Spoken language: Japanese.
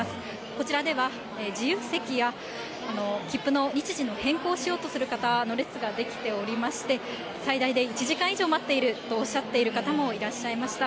こちらでは、自由席やきっぷの日時の変更しようとする方の列が出来ておりまして、最大で１時間以上待っているとおっしゃっている方もいらっしゃいました。